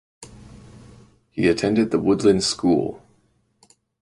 He attended the Woodlands school.